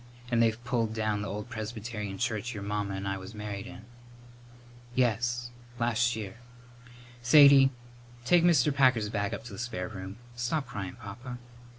And they've pulled down the old Presbyterian church your mamma and I was married in." "Yes; last year. Sadie, take Mr. Packer's bag up to the spare room. Stop cryin', Papa."